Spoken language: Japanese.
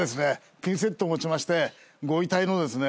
ピンセットを持ちましてご遺体のですね